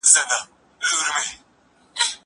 قلم د زده کوونکي له خوا استعمالوم کيږي؟